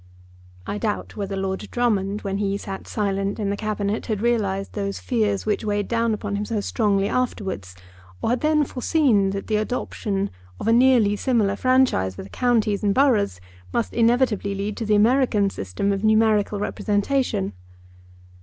I doubt whether Lord Drummond, when he sat silent in the Cabinet, had realised those fears which weighed upon him so strongly afterwards, or had then foreseen that the adoption of a nearly similar franchise for the counties and boroughs must inevitably lead to the American system of numerical representation.